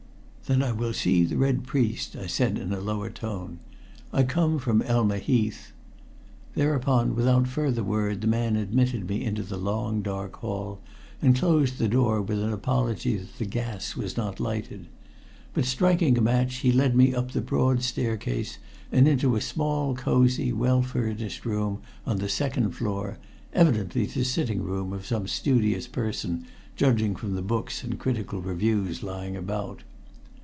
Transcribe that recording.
"Then I will see the Red Priest," I said in a lower tone. "I come from Elma Heath." Thereupon, without further word, the man admitted me into the long, dark hall and closed the door with an apology that the gas was not lighted. But striking a match he led me up the broad staircase and into a small, cosy, well furnished room on the second floor, evidently the sitting room of some studious person, judging from the books and critical reviews lying about.